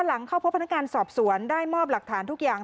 หลังเข้าพบพนักงานสอบสวนได้มอบหลักฐานทุกอย่าง